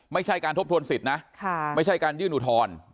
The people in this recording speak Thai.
ไม่ใช่การทบทวนสิทธิ์นะไม่ใช่การยื่นอุทธรณ์